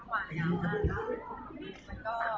เวลาแรกพี่เห็นแวว